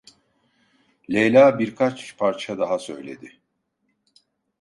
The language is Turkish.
Leyla birkaç parça daha söyledi.